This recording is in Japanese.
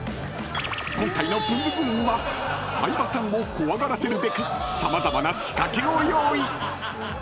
［今回の『ブンブブーン！』は相葉さんを怖がらせるべく様々な仕掛けを用意］